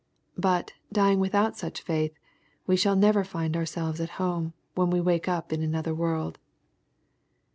But, dying without such faith, we shall never find ourselves at home, when we wake up in another world.